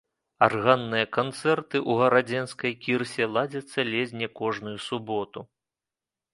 Арганныя канцэрты ў гарадзенскай кірсе ладзяцца ледзь не кожную суботу.